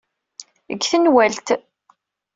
Deg tenwalt.